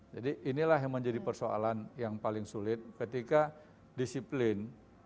jadi inilah yang menjadi persoalan yang paling sulit ketika disiplin